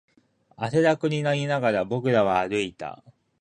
汗だくになりながら、僕らは歩いた